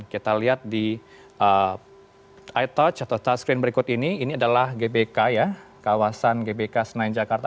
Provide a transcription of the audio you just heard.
kita lihat di touch screen berikut ini ini adalah gbk kawasan gbk senayan jakarta